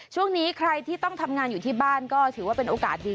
ช่วงนี้ใครที่ต้องทำงานอยู่ที่บ้านก็ถือว่าเป็นโอกาสดี